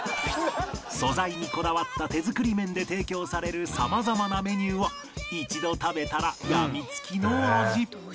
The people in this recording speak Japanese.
素材にこだわった手作り麺で提供される様々なメニューは一度食べたらやみつきの味！